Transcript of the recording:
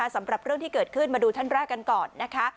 สำหรับเรื่องที่เกิดขึ้นมาดูท่านแรกกันก่อนนะคะ